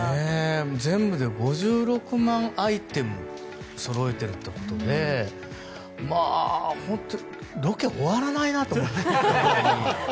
全部で５６万アイテムそろえてるということでまあ、本当にロケ終わらないなと思って。